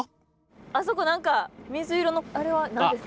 あそこ何か水色のあれは何ですか。